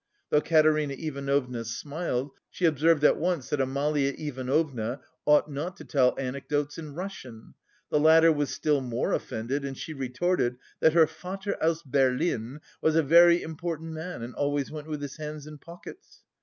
Though Katerina Ivanovna smiled, she observed at once that Amalia Ivanovna ought not to tell anecdotes in Russian; the latter was still more offended, and she retorted that her "Vater aus Berlin was a very important man, and always went with his hands in pockets."